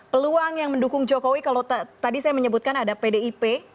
peluang yang mendukung jokowi kalau tadi saya menyebutkan ada pdip